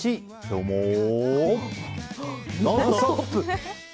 「ノンストップ！」。